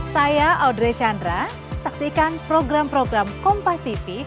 saya audrey chandra saksikan program program kompativity